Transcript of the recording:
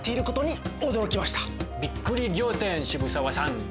びっくり仰天渋沢さん。